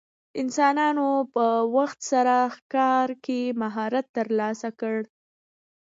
انسانانو په وخت سره ښکار کې مهارت ترلاسه کړ.